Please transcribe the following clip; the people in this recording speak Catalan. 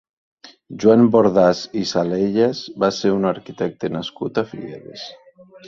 Joan Bordàs i Salellas va ser un arquitecte nascut a Figueres.